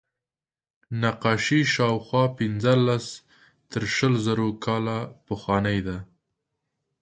نقاشي شاوخوا پینځلس تر شلو زره کاله پخوانۍ ده.